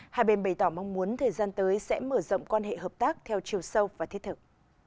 hai bên bày tỏ mong muốn thời gian tới sẽ mở rộng quan hệ hợp tác theo chiều sâu và thiết thực